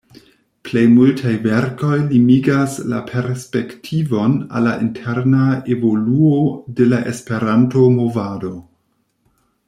Plej multaj verkoj limigas la perspektivon al la interna evoluo de la Esperanto-movado.